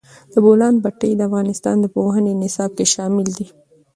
د بولان پټي د افغانستان د پوهنې نصاب کې شامل دي.